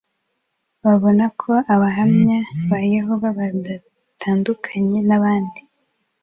Babona ko abahamya ba yehova badatandukanye n abandi